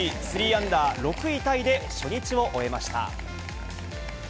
３アンダー、６位タイで初日を終えました。